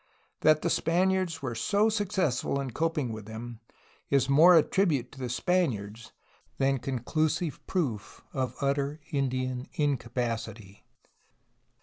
That the Spaniards were so success ful in coping with them is more a tribute to the Spaniards than conclusive proof of utter Indian incapacity.